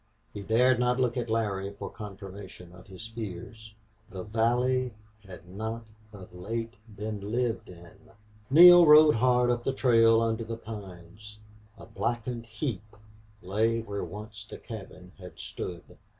He dared not look at Larry for confirmation of his fears. The valley had not of late been lived in! Neale rode hard up the trail under the pines. A blackened heap lay where once the cabin had stood.